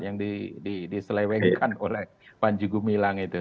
yang diselewengkan oleh panji gumilang itu